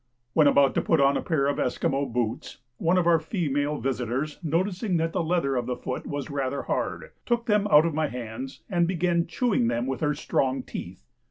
When about to put on a pair of Esquimaux boots, one of our female visitors, noticing that the leather of the foot was rather hard, took them out of my hands and began chewing them with her strong teeth.